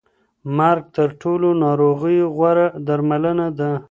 مرګ تر ټولو ناروغیو غوره درملنه ده.